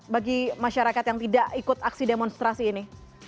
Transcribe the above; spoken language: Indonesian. bagi masyarakat yang tidak ikut aksi demonstrasi ini